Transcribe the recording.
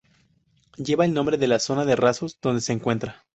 Lleva el nombre de la zona de Rasos donde se encuentra.